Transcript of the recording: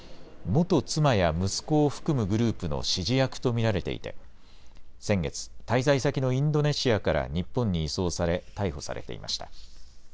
元妻や息子を含むグループの指示役と見られていて先月、滞在先のインドネシアから日本に移送され逮捕されていました。